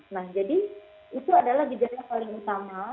nah jadi itu adalah gejala paling utama